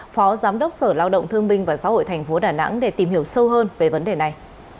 phó giám đốc sở lao động thương minh và xã hội tp đà nẵng để tìm hiểu sâu hơn về vấn đề này